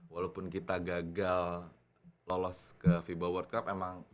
walaupun kita gagal lolos ke fiba world cup emang